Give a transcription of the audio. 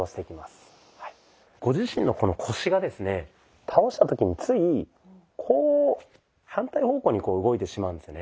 ご自身のこの腰がですね倒した時についこう反対方向に動いてしまうんですよね。